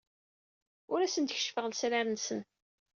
Ur asen-d-keccfeɣ lesrar-nsen.